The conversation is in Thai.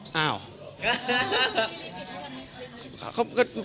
พี่ฟุ๊กก็ไม่เคยมากรงอะไรอย่างนี้